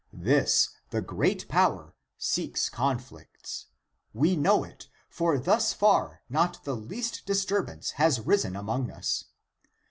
This (the great power) seeks conflicts; we know it, for (thus far) not the least disturbance has risen among us.